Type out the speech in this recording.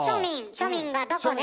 庶民がどこで？